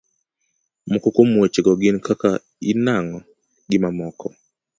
moko kuom weche go gin kaka; in nang'o? gimamoko